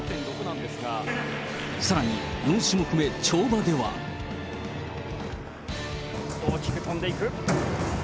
さらに、４種目目、跳馬では。大きく跳んでいく。